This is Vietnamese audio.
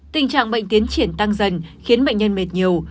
tình trạng bệnh tiến triển tăng dần khiến bệnh nhân mệt nhiều